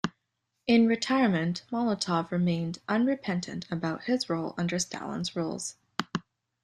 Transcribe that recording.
In retirement Molotov remained unrepentant about his role under Stalin's rule.